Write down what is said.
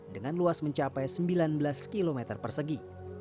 dengan luas mencapai sembilan belas km persegi